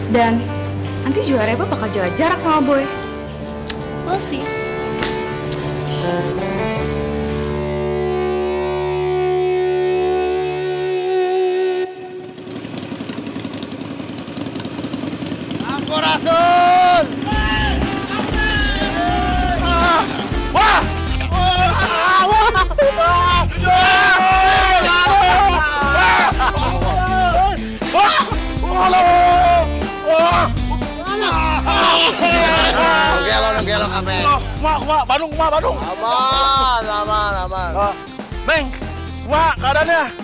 dan nanti juara apa bakal jalan jarak sama boy